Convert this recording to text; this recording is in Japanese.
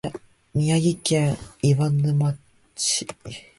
宮城県岩沼市